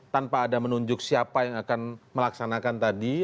tanpa ada menunjuk siapa yang akan melaksanakan tadi